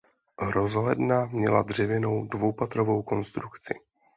Rozhledna měla dřevěnou dvoupatrovou konstrukci.